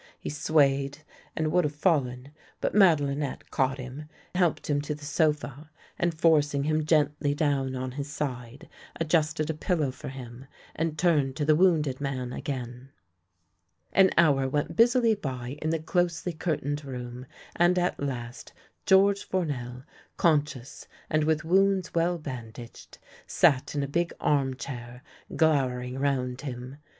He swayed and would have fallen, but Madelinette caught him, helped him to the sofa, and, forcing him gently down on his side, adjusted a pillow for him, and turned to the wounded man again. THE LANE THAT HAD NO TURNING 33 An hour went busily by in the closely curtained room, and at last George Fournel, conscious, and with wounds well bandaged, sat in a big arm chair, glower ing round him.